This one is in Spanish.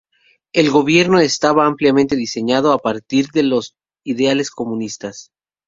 El gobierno estaba ampliamente diseñado a partir de los ideales comunistas.